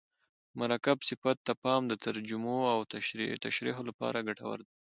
مرکب صفت ته پام د ترجمو او تشریحو له پاره ګټور دئ.